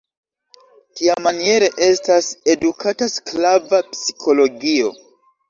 Tiamaniere estas edukata sklava psikologio.